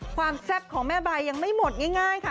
ความแซ่บของแม่ใบอย่างไม่หมดง่ายค่ะ